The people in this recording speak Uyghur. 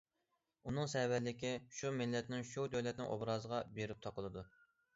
ئۇنىڭ سەۋەنلىكى شۇ مىللەتنىڭ، شۇ دۆلەتنىڭ ئوبرازىغا بېرىپ تاقىلىدۇ.